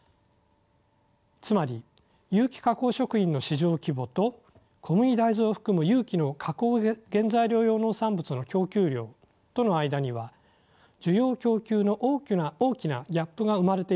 つまり有機加工食品の市場規模と小麦大豆を含む有機の加工原材料用農産物の供給量との間には需要供給の大きな大きなギャップが生まれているのです。